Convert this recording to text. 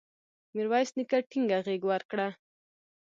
میرویس نیکه ټینګه غېږ ورکړه.